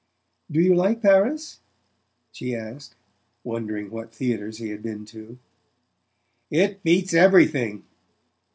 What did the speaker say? "Do you like Paris?" she asked, wondering what theatres he had been to. "It beats everything."